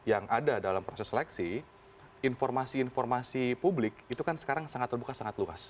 yang ada dalam proses seleksi informasi informasi publik itu kan sekarang sangat terbuka sangat luas